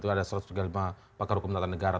ada seratus juta peker hukum tata negara